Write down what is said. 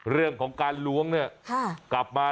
เรื่องของการล้วงนี่